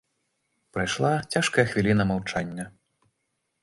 Прайшла цяжкая хвіліна маўчання.